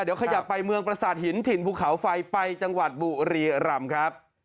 เดี๋ยวขยับไปเมืองประสาทหินถิ่นภูเขาไฟไปจังหวัดบุรีรำครับ